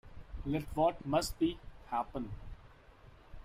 Let what must be, happen.